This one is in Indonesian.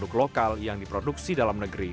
mereka mengembara kembali jalan produksi dalam negeri